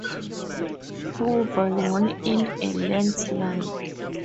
Hoover won in a landslide.